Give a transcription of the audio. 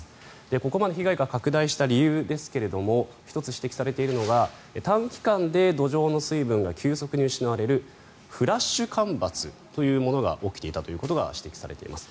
ここまで被害が拡大した理由ですが１つ指摘されているのが短期間で土壌の水分が急速に失われるフラッシュ干ばつというものが起きていたということが指摘されています。